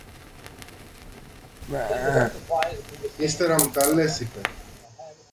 Ύστερα μου τα λες, είπε.